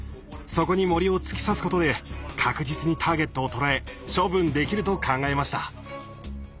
そこに銛を突き刺すことで確実にターゲットを捉え処分できると考えました。